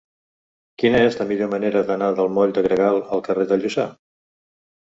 Quina és la millor manera d'anar del moll de Gregal al carrer de Lluçà?